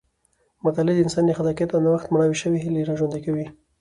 مطالعه د انسان د خلاقیت او نوښت مړاوې شوې هیلې راژوندۍ کوي.